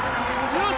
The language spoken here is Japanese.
よし！